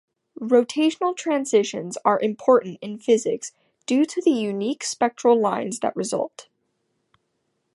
Rotational transitions are important in physics due to the unique spectral lines that result.